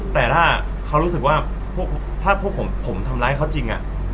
แต่ถ้าเขารู้สึกว่าถ้าพวกผมทำร้ายเขาจริง